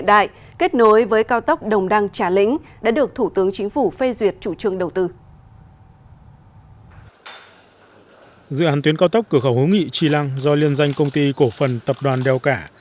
tuyến cao tốc cửa khẩu hữu nghị tri lăng do liên danh công ty cổ phần tập đoàn đeo cả